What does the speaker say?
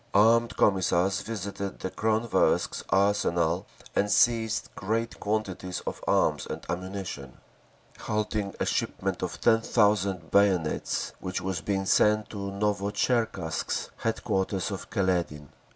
Armed Commissars visited the Kronversk arsenal and seized great quantities of arms and ammunition, halting a shipment of ten thousand bayonets which was being sent to Novotcherkask, headquarters of Kaledin….